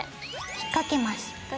引っ掛けます。